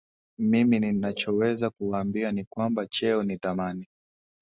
mimi ninachoweza kuwaambia ni kwamba cheo ni dhamani